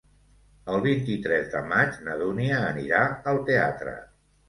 El vint-i-tres de maig na Dúnia anirà al teatre.